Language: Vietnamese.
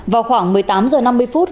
vào khoảng một mươi tám h năm mươi phút